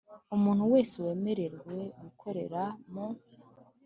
Umuntu wese wemerewe gukorera mu